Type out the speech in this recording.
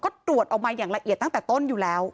ก็ตรวจออกมาอย่างละเอียดตั้งแต่ต้นอยู่แล้ว